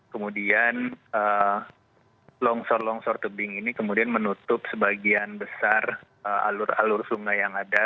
kemudian longsor longsor tebing ini kemudian menutup sebagian besar alur alur sungai yang ada